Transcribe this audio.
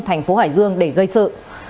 thành phố hải dương để gây sự